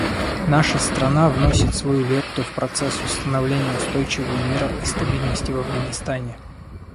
Наша страна вносит свою лепту в процесс установления устойчивого мира и стабильности в Афганистане.